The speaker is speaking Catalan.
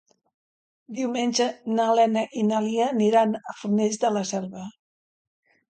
Diumenge na Lena i na Lia aniran a Fornells de la Selva.